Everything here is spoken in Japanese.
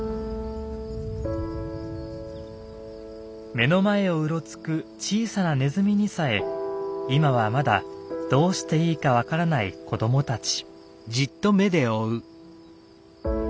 目の前をうろつく小さなネズミにさえ今はまだどうしていいか分からない子どもたち。